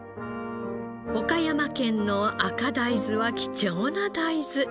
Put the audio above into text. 岡山県の赤大豆は貴重な大豆。